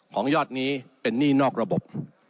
๑๖ของยอดนี้เป็นนี่นอกระบบ